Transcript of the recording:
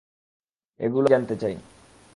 এগুলোই আমি জানতে চাই।